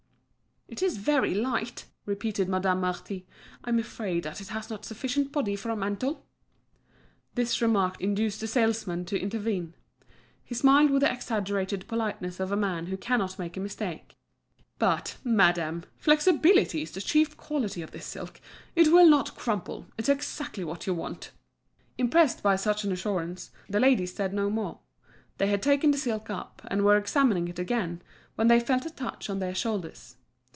"It is very light," repeated Madame Marty. "I'm afraid that it has not sufficient body for a mantle." This remarked induced the salesman to intervene. He smiled with the exaggerated politeness of a man who cannot make a mistake. "But, madame, flexibility is the chief quality of this silk. It will not crumple. It's exactly what you want." Impressed by such an assurance, the ladies said no more. They had taken the silk up, and were examining it again, when they felt a touch on their shoulders.